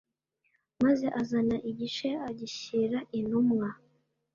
maze azana igice agishyira intumwa